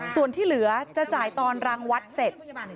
ส่วนที่เหลือจะจ่ายตอนรางวัดเสร็จ